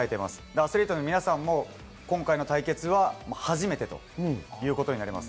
アスリートの皆さんも今回の対決は初めてといういうことになります。